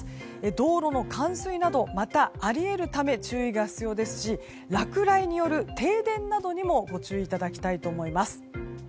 道路の冠水などがあり得るため注意が必要ですし落雷による停電などにもご注意いただきたいと思います。